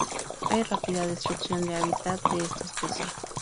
Hay rápida destrucción de hábitat de esta especie.